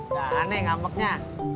gak ada yang ngambeknya